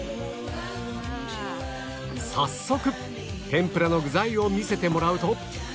早速天ぷらの具材を見せてもらうと